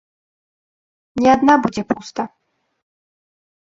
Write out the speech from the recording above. Не адна будзе пуста.